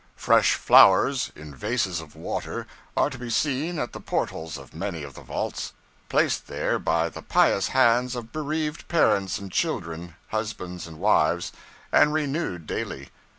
Fresh flowers, in vases of water, are to be seen at the portals of many of the vaults: placed there by the pious hands of bereaved parents and children, husbands and wives, and renewed daily.